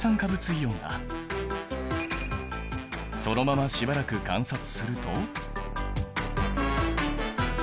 そのまましばらく観察すると。